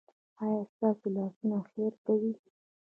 ایا ستاسو لاسونه خیر کوي؟